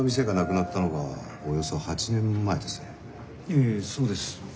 ええそうです。